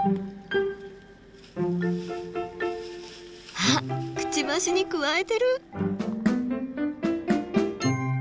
あっクチバシにくわえてる！